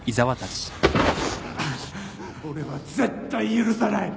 俺は絶対許さない。